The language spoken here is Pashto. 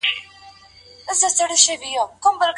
تولستوی د خپل وخت تر ټولو ستر او با نفوذه لیکوال و.